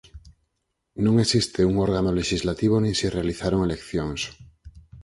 Non existe un órgano Lexislativo nin se realizaron eleccións.